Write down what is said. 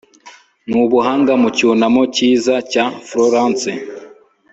nubuhanga, mu cyunamo cyiza cya florence